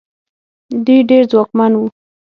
دوی ډېر ځواکمن وو.